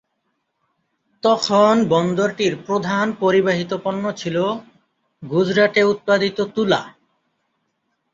তখন বন্দরটির প্রধান পরিবাহিত পণ্য ছিল গুজরাটে উৎপাদিত তুলা।